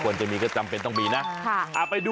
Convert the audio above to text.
ควรจะมีก็จำเป็นต้องมีนะ